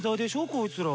こいつら。